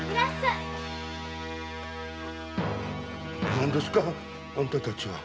何ですか⁉あんたたちは。